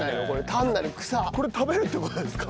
これ食べるって事ですか？